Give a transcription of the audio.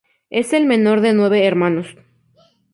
Es el menor de nueve hermanos.